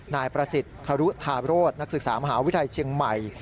นายประสิทธิ์ครุธาโรธนักศึกษามหาวิทยาลัยเชียงใหม่